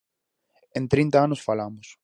En trinta anos falamos.